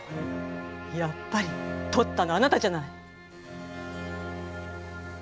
やっぱりとったのあなたじゃない！